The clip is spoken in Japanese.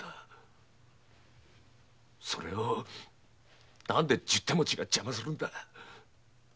それを何で十手持ちが邪魔するんだ！